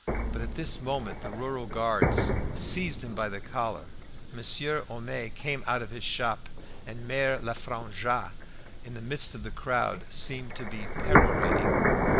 But at this moment the rural guard seized him by the collar. Monsieur Homais came out of his shop, and Mere Lefrangois, in the midst of the crowd, seemed to be perorating.